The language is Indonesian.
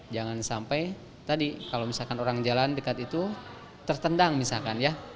jangan sampai tadi kalau misalkan orang jalan dekat itu tertendang misalkan ya